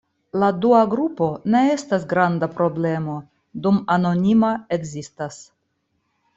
La dua grupo ne estas granda problemo, dum anonima ekzistas.